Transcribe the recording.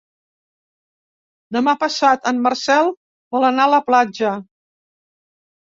Demà passat en Marcel vol anar a la platja.